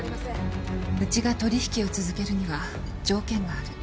うちが取引を続けるには条件がある。